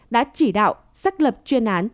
đã chỉ đạo xác lập chuyên án